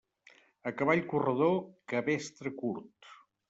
A cavall corredor, cabestre curt.